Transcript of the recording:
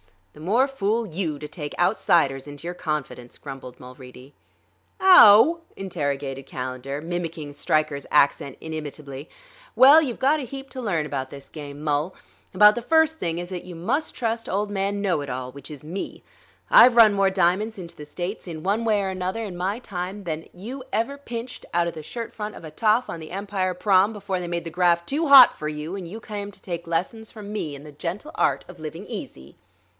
"The more fool you, to take outsiders into your confidence," grumbled Mulready. "Ow?" interrogated Calendar, mimicking Stryker's accent inimitably. "Well, you've got a heap to learn about this game, Mul; about the first thing is that you must trust Old Man Know it all, which is me. I've run more diamonds into the States, in one way or another, in my time, than you ever pinched out of the shirt front of a toff on the Empire Prom., before they made the graft too hot for you and you came to take lessons from me in the gentle art of living easy."